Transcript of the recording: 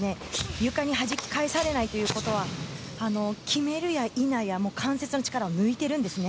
床にはじき返されないということは決めるやいなや関節の力を抜いてるんですね。